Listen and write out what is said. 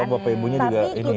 oh bapak ibunya juga ini ya